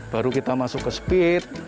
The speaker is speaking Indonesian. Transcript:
baru kita masuk ke speed